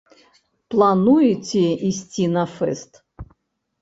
Плануеце ісці на фэст?